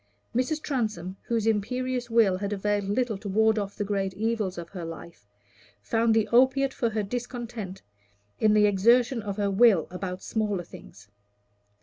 Mrs. Transome, whose imperious will had availed little to ward off the great evils of her life, found the opiate for her discontent in the exertion of her will about smaller things.